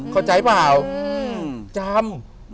เข้าใจเปล่าจำ